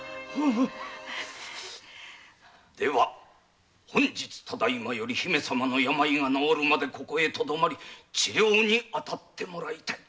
では本日ただ今より鈴姫様の病が治るまでここにとどまり治療に当たってもらいたい。